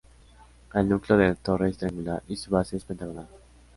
El núcleo de la torre es triangular, y su base es pentagonal.